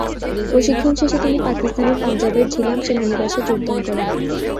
প্রশিক্ষণ শেষে তিনি পাকিস্তানের পাঞ্জাবের ঝিলাম সেনানিবাসে যোগদান করেন।